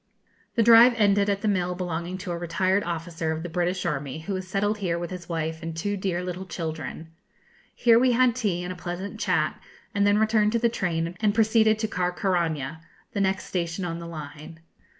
The drive ended at the mill belonging to a retired officer of the British army, who has settled here with his wife and two dear little children. Here we had tea and a pleasant chat, and then returned to the train and proceeded to Carcaraña, the next station on the line.